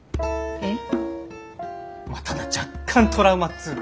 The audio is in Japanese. えっ？